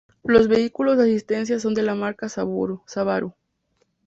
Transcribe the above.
Los vehículos de asistencia son de la marca Subaru.